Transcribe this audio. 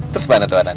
terus mana tuan an